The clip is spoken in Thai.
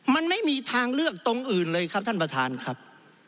มันไม่มีทางเลือกตรงอื่นเลยครับท่านประธานครับ